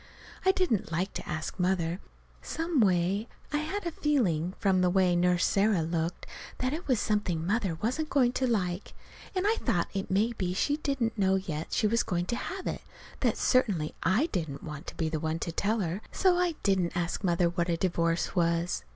I didn't like to ask Mother. Some way, I had a feeling, from the way Nurse Sarah looked, that it was something Mother wasn't going to like. And I thought if maybe she didn't know yet she was going to have it, that certainly I didn't want to be the one to tell her. So I didn't ask Mother what a divorce was.